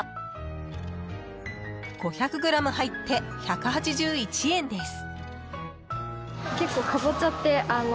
［５００ｇ入って１８１円です］